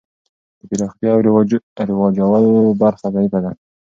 د پراختیا او رواجول برخه ضعیفه ده.